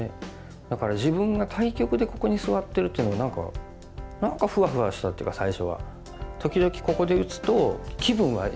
だから自分が対局でここに座ってるっていうのは何かふわふわしたっていうか最初は。